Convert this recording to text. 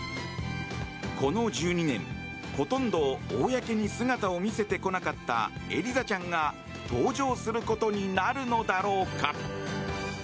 この１２年、ほとんど公に姿を見せてこなかったエリザちゃんが登場することになるのだろうか。